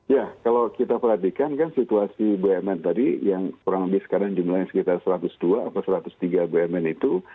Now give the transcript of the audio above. ya kalau kita perhatikan kan situasi bumn tadi yang kurang lebih sekarang jumlahnya sekitar satu ratus dua atau satu ratus tiga bumn itu